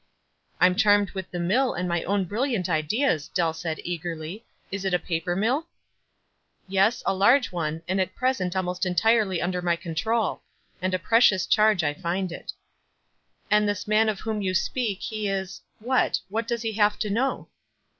"I'm charmed with the mill and my own brilliant ideas," Dell said eagerly. "Is it a paper mill ?" 72 WISE AOT OTHERWISE. "Yes, a large one, and at present almost en tirely under my control ; and a precious charge I find it." "And this man of whom you speak, he is — what? "What does he have to know?"